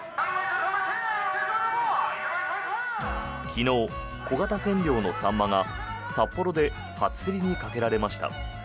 昨日、小型船漁のサンマが札幌で初競りにかけられました。